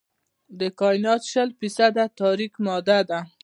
د کائنات شل فیصده تاریک ماده ده.